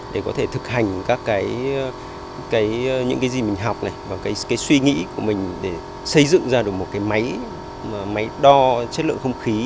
để có thể thực hành những gì mình học và suy nghĩ của mình để xây dựng ra một máy đo chất lượng không khí